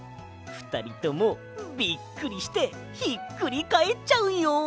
ふたりともびっくりしてひっくりかえっちゃうよ。